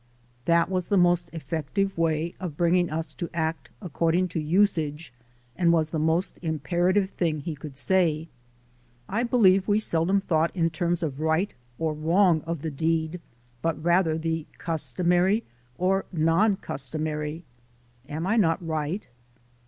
That was the most effective way of bringing us to act ac cording to usage and was the most imperative thing he could say. I believe we seldom thought in terms of right or wrong of the deed, but rather the cus tomary or non customary. Am I not right?